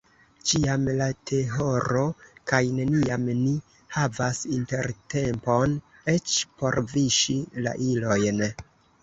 Ĉiam la tehoro, kaj neniam ni havas intertempon eĉ por viŝi la ilojn.